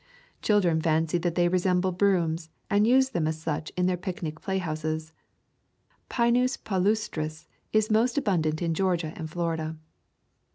Children fancy that they resemble brooms, and use them as such in their picnic play houses. Pinus palustris is most abundant in Georgia and Florida.